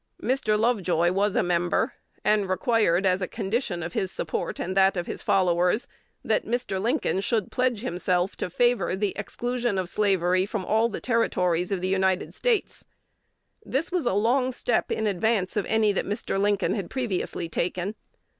Mr. Lovejoy was a member, and required, as the condition of his support and that of his followers, that Mr. Lincoln should pledge himself to favor the exclusion of slavery from all the Territories of the United States. This was a long step in advance of any that Mr. Lincoln had previously taken.